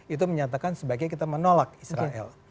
itu menyatakan sebaiknya kita menolak israel